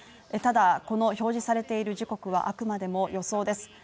ただ、この表示されている時刻はあくまでも予想です。